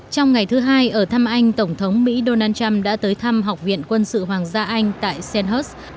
trong ngày thứ hai ở thăm anh tổng thống mỹ donald trump đã tới thăm học viện quân sự hoàng gia anh tại sean hers